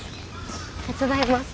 手伝います。